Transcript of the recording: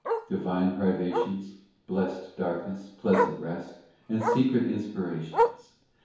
ii Divine privations, Blest darkness, pleasant rest, And secret inspirations